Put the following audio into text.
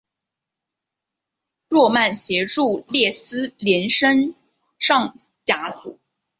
诺曼协助列斯联升上甲组。